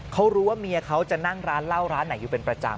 เขารู้ว่าเมียเขาจะนั่งร้านเหล้าร้านไหนอยู่เป็นประจำ